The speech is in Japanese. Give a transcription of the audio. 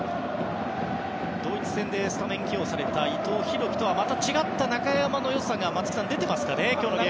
ドイツ戦でスタメン起用された伊藤洋輝とはまた違った中山の良さが出ていますかね、今日のゲーム。